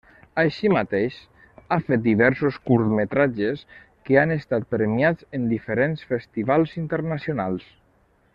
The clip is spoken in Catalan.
Així mateix, ha fet diversos curtmetratges que han estat premiats en diferents festivals internacionals.